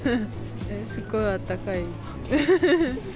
すっごいあったかい。